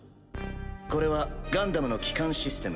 これはガンダムの基幹システム